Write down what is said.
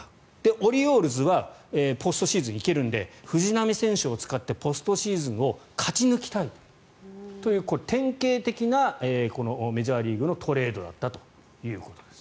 オリオールズはポストシーズンに行けるので藤浪選手を使ってポストシーズンを勝ち抜きたいという典型的なメジャーリーグのトレードだったということです。